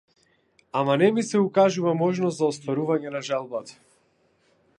Ама не ми се укажа можност за остварување на желбата.